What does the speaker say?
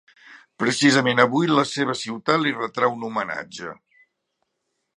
Precisament avui la seva ciutat li retrà un homenatge.